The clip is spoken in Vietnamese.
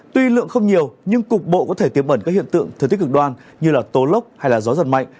tuy lượng không nhiều nhưng cục bộ có thể tiếp ẩn các hiện tượng thời tiết cực đoan như tố lốc hay gió giật mạnh